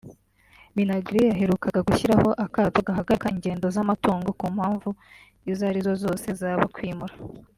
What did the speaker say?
Minagri yaherukaga gushyiraho akato gahagarika ingendo z’amatungo ku mpamvu izo arizo zose zaba kwimura